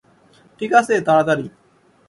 ঠিকাছে, তাড়াতাড়ি।